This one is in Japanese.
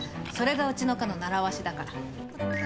それがうちの課のならわしだから。